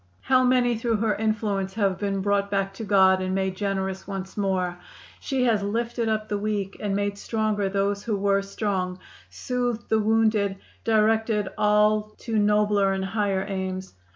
"How many through her influence have been brought back to God and made generous once more! She has lifted up the weak, and made stronger those who were strong; soothed the wounded, directed all to nobler and higher aims.